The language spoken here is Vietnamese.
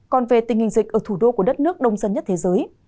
còn về tình hình dịch ở thủ đô của đất nước đông dân nhất thế giới